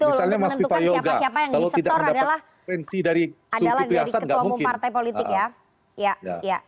betul untuk menentukan siapa siapa yang disetor adalah dari ketua umum partai politik ya